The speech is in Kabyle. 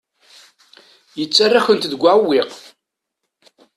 Yettarra-kent deg uɛewwiq.